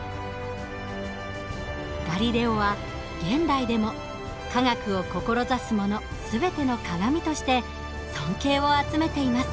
ガリレオは現代でも科学を志す者全ての鑑として尊敬を集めています。